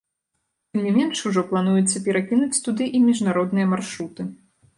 Тым не менш, ужо плануецца перакінуць туды і міжнародныя маршруты.